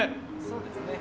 そうですね。